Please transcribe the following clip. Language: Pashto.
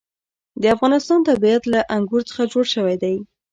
د افغانستان طبیعت له انګور څخه جوړ شوی دی.